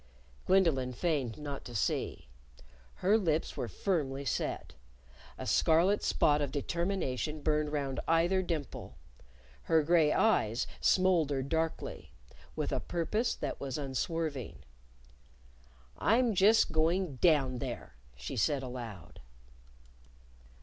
Gwendolyn feigned not to see. Her lips were firmly set. A scarlet spot of determination burned round either dimple. Her gray eyes smouldered darkly with a purpose that was unswerving. "I'm just going down there!" she said aloud.